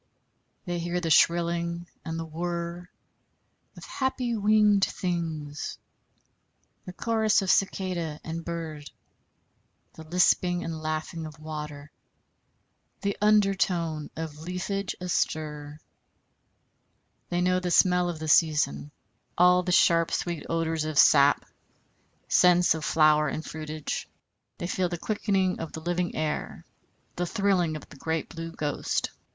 They hear the shrilling and the whirr of happy winged things, the chorus of cicada and bird, the lisping and laughing of water, the under tone of leafage astir. They know the smell of the season all sharp sweet odors of sap, scents of flower and fruitage. They feel the quickening of the living air, the thrilling of the great Blue Ghost.